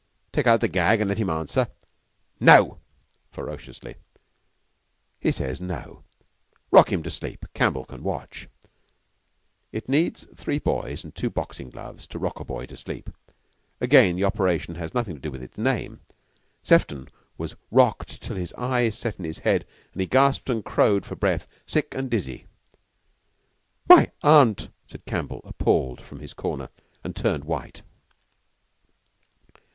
Take out the gag and let him answer." "No!" ferociously. "He says no. Rock him to sleep. Campbell can watch." It needs three boys and two boxing gloves to rock a boy to sleep. Again the operation has nothing to do with its name. Sefton was "rocked" till his eyes set in his head and he gasped and crowed for breath, sick and dizzy. "My Aunt!" said Campbell, appalled, from his corner, and turned white.